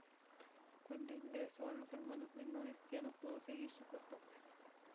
Cuando ingresó a los Hermanos Menores, ya no pudo seguir su costumbre.